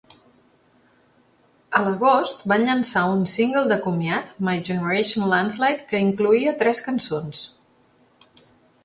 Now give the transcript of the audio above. A l'agost, van llançar un single de comiat, "My Generation Landslide", que incloïa tres cançons.